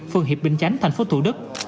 phường hiệp bình chánh thành phố thủ đức